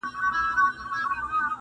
مرګ او بېلتون را ته جوړه راغلی